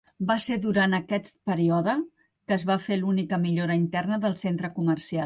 Va ser durant aquest període que es va fer l'única millora interna del centre comercial.